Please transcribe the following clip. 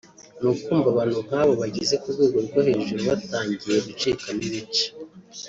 ni ukumva abantu nk’abo bageze ku rwego rwo hejuru batangiye gucikamo ibice